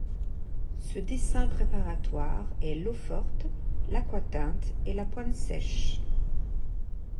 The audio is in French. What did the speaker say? Ce dessin préparatoire est l'eau-forte, l'aquatinte et la pointe sèche.